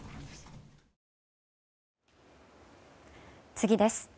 次です。